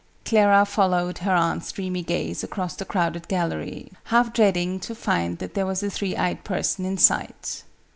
Clara followed her aunt's dreamy gaze across the crowded gallery, half dreading to find that there was a three eyed person in sight.